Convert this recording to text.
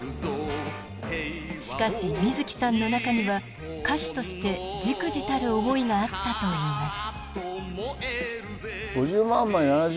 しかし水木さんの中には歌手として忸怩たる思いがあったといいます。